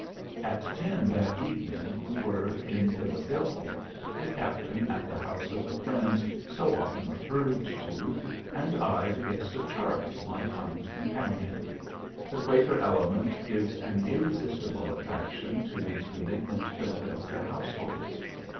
At ten that evening we were in Philadelphia, the Captain at the house of the friends so often referred to, and I the guest of Charley, my kind companion. The Quaker element gives an irresistible attraction to these benignant Philadelphia households.